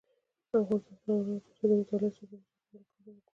افغانستان تر هغو نه ابادیږي، ترڅو د مطالعې د ساعتونو په زیاتوالي کار ونکړو.